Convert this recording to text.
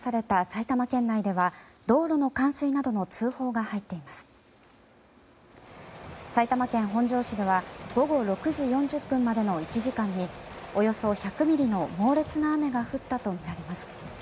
埼玉県本庄市では午後６時４０分までの１時間におよそ１００ミリの猛烈な雨が降ったとみられます。